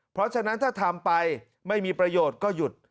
เพราะฉะนั้นถ้าทำไปไม่มีประโยชน์ก็หยุด